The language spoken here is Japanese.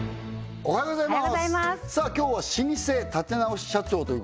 おはようございます